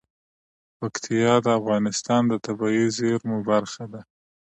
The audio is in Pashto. پکتیا د افغانستان د طبیعي زیرمو برخه ده.